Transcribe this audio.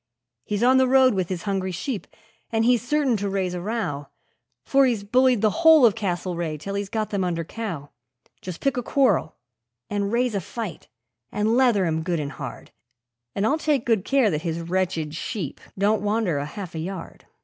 He's on the road with his hungry sheep, and he's certain to raise a row, For he's bullied the whole of the Castlereagh till he's got them under cow Just pick a quarrel and raise a fight, and leather him good and hard, And I'll take good care that his wretched sheep don't wander a half a yard.